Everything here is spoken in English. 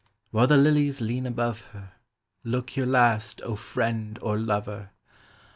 HILE the lilies lean above her, Look your last, O friend or lover !